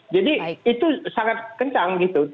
jadi itu sangat kencang gitu